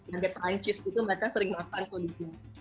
baget perancis itu mereka sering makan tuh di sini